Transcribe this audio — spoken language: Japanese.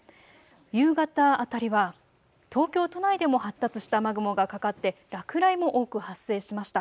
夕方辺りは東京都内でも発達した雨雲がかかって落雷も多く発生しました。